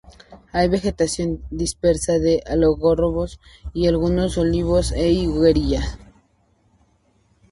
Hay vegetación dispersa de algarrobos y algunos olivos e higueras.